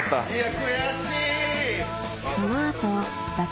悔しい！